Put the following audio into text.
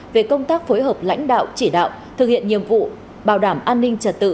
về công tác phối hợp lãnh đạo chỉ đạo thực hiện nhiệm vụ bảo đảm an ninh trật tự